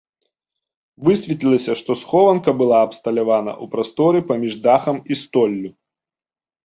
Высветлілася, што схованка была абсталяваная ў прасторы паміж дахам і столлю.